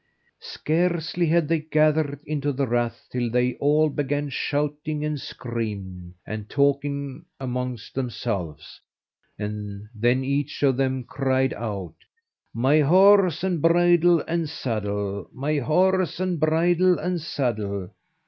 Scarcely had they gathered into the rath till they all began shouting, and screaming, and talking amongst themselves; and then each one of them cried out: "My horse, and bridle, and saddle! My horse, and bridle, and saddle!"